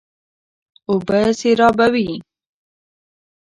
اوبه سېرابوي.